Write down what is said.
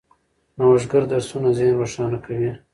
نوښتګر درسونه ذهن روښانه کوي.